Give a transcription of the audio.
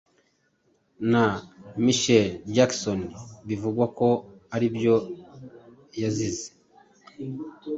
na Michael Jackson bivugwako aribyo yazize